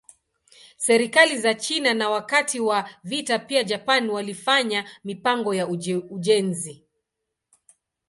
Serikali za China na wakati wa vita pia Japan walifanya mipango ya ujenzi.